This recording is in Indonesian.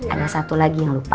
ada satu lagi yang lupa